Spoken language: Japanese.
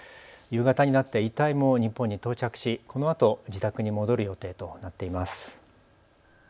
夕方になって遺体も日本に到着しこのあと自宅に戻る予定となっています。